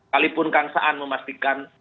kalaupun kang saan memastikan